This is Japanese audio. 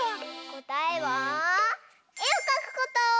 こたえはえをかくこと！